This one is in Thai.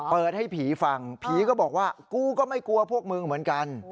เปิดให้ผีฟังผีก็บอกว่ากูก็ไม่กลัวพวกมึงเหมือนกัน